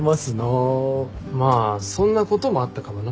まあそんなこともあったかもな。